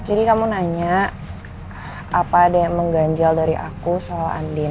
jadi sekarang kalau misalnya ada yang mengganjal di hati kamu ada yang bikin kamu ngajak